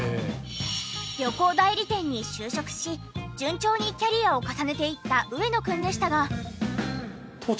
旅行代理店に就職し順調にキャリアを重ねていった上野くんでしたが。